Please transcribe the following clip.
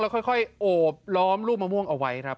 แล้วค่อยโอบล้อมลูกมะม่วงเอาไว้